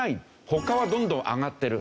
他はどんどん上がってる。